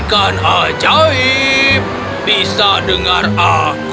ikan ajaib bisa dengar aku